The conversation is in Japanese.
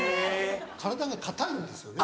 ・体が硬いんですよね。